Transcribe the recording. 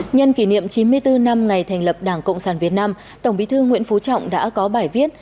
nhân kỷ niệm chín mươi bốn năm ngày thành lập đảng cộng sản việt nam tổng bí thư nguyễn phú trọng đã có bài viết